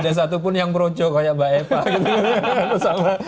nggak ada satupun yang broco kayak mbak eva gitu